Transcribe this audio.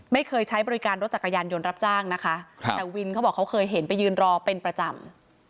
ใช้บริการรถจักรยานยนต์รับจ้างนะคะแต่วินเขาบอกเขาเคยเห็นไปยืนรอเป็นประจำ